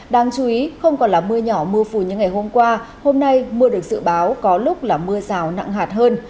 đáng chú ý không còn là mưa nhỏ mưa phù như ngày hôm qua hôm nay mưa được dự báo có lúc là mưa rào nặng hạt hơn